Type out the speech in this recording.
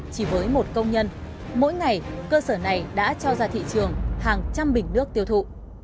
chỉ với một công nhân mỗi ngày cơ sở này đã cho ra thị trường hàng trăm bình nước tiêu thụ